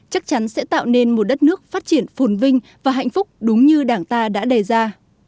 chắc chắn sẽ tạo nên một đất nước phát triển phồn vinh và hạnh phúc đúng như đảng ta đã đề ra